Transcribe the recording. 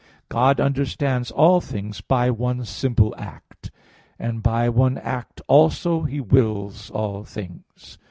19, A. 5), God understands all things by one simple act; and by one act also He wills all things.